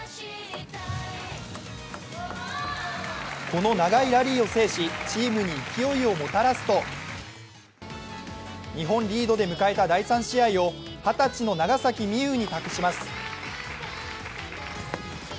この長いラリーを制しチームに勢いをもたらすと日本リードで迎えた第３試合を二十歳の長崎美柚に託します。